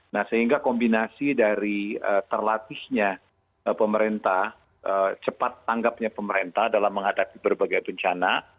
nah sehingga kombinasi dari terlatihnya pemerintah cepat tanggapnya pemerintah dalam menghadapi berbagai bencana